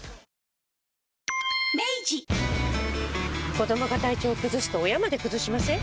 子どもが体調崩すと親まで崩しません？